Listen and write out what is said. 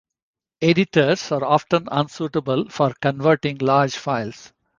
Editors are often unsuitable for converting larger files.